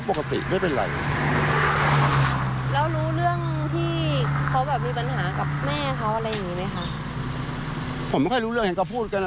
ผมไม่ค่อยรู้เรื่องเห็นเขาพูดกันนะ